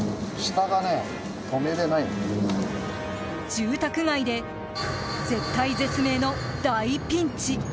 住宅街で絶対絶命の大ピンチ！